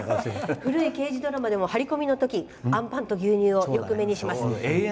「古い刑事ドラマでも張り込みのときあんパンと牛乳をよく目にします。